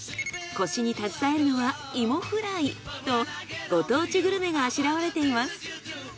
腰に携えるのはいもフライとご当地グルメがあしらわれています。